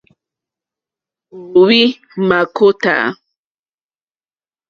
Ò óhwì mâkótá.